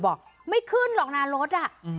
บอกไม่ขึ้นหรอกนะรถ